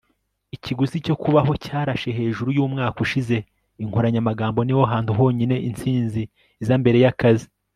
ikiguzi cyo kubaho cyarashe hejuru yumwaka ushize. inkoranyamagambo niho hantu honyine intsinzi iza mbere yakazi